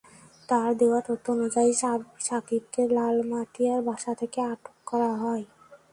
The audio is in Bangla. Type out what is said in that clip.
তাঁর দেওয়া তথ্য অনুযায়ী সাকিবকে লালমাটিয়ার বাসা থেকে আটক করা হয়।